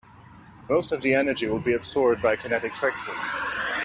Most of the energy will be absorbed by kinetic friction.